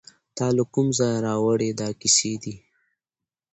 تاله کوم ځایه راوړي دا کیسې دي